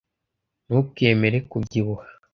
Ntukemere kubyibuha .